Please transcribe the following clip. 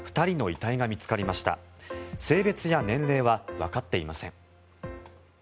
性別や年齢はわかっていません。